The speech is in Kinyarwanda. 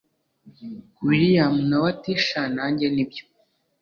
william nawe ati sha nanjye nibyo